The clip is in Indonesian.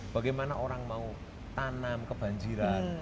bagaimana orang mau tanam kebanjiran